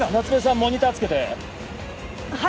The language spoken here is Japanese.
モニターつけてはい！